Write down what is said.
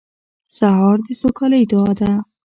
سهار د سوکالۍ دعا ده.